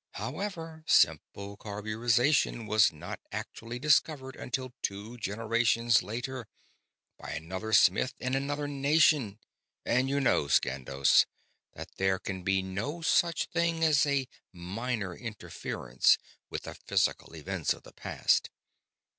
However, simple carburization was not actually discovered until two generations later, by another smith in another nation; and you know, Skandos, that there can be no such thing as a minor interference with the physical events of the past.